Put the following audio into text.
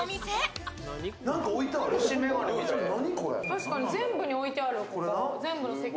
確かに全部の席に置いてある。